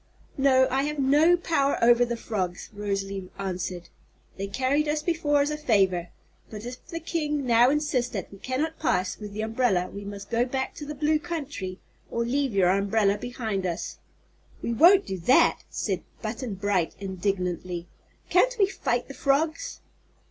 "No; I have no power over the frogs," Rosalie answered. "They carried us before as a favor, but if the king now insists that we cannot pass with the umbrella we must go back to the Blue Country or leave your umbrella behind us." "We won't do that!" said Button Bright, indignantly. "Can't we fight the frogs?"